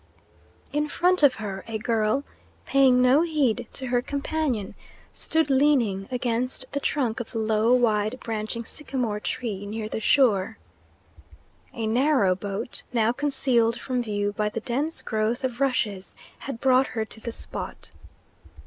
In front of her a girl, paying no heed to her companion, stood leaning against the trunk of the low, wide branching sycamore tree near the shore. A narrow boat, now concealed from view by the dense growth of rushes, had brought her to the spot.